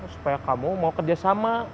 supaya kamu mau kerjasama